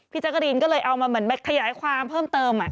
พี่จักรีนก็เลยเอามาแบบขยายความเพิ่มเติม